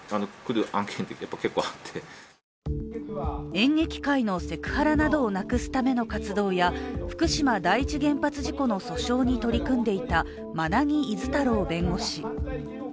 演劇界のセクハラなどをなくすための活動や福島第一原発事故の訴訟に取り組んでいた馬奈木厳太郎弁護士。